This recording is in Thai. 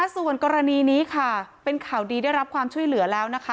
ส่วนกรณีนี้ค่ะเป็นข่าวดีได้รับความช่วยเหลือแล้วนะคะ